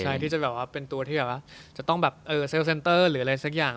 ใช่ที่จะแบบว่าเป็นตัวที่แบบว่าจะต้องแบบเซลเซ็นเตอร์หรืออะไรสักอย่าง